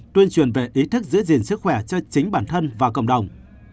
tuyên truyền về ý thức giữ gìn sức khỏe cho chính bản thân và cộng đồng